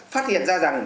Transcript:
phát hiện ra rằng